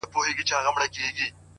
زړه چي په لاسونو کي راونغاړه~